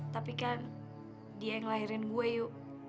tapi kan dia yang ngelahirin gue yuk